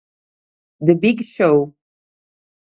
The Big Show